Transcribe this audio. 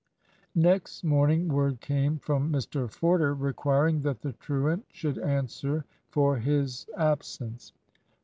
Next morning word came from Mr Forder requiring that the truant should answer for his absence.